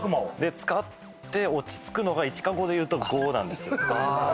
使って落ち着くのが１か５かでいうと５なんですよ